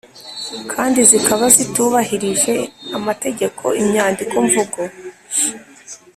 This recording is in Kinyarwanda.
kandi zikaba zitubahirije amategeko Imyandiko mvugo